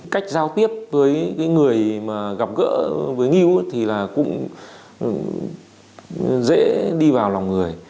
cách giao tiếp với người gặp gỡ với ngưu thì cũng dễ đi vào lòng người